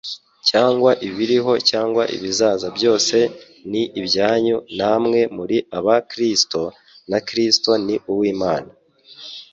cyangwa ibiriho cyangwa ibizaza byose ni ibyanyu na mwe muri aba Kristo, na Kristo ni uw'Imana."»